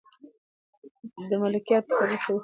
د ملکیار په سبک کې د کلمو انتخاب د پام وړ پیاوړی دی.